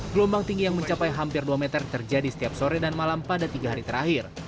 gelombang tinggi yang mencapai hampir dua meter terjadi setiap sore dan malam pada tiga hari terakhir